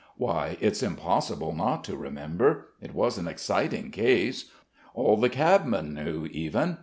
"Why, it's impossible not to remember. It was an exciting case. All the cabmen knew, even.